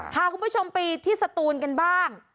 พาคุณผู้ชมไปที่สตูนกันบ้าง